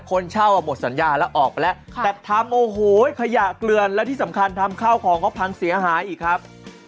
คนเช่าหมดสัญญาแล้วออกไปแล้วแต่ทำโอ้โหขยะเกลือนและที่สำคัญทำข้าวของเขาพังเสียหายอีกครับ